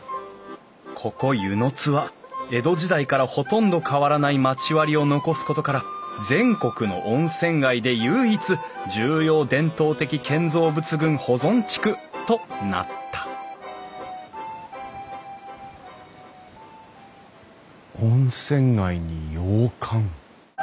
ここ温泉津は江戸時代からほとんど変わらない町割りを残すことから全国の温泉街で唯一重要伝統的建造物群保存地区となった温泉街に洋館。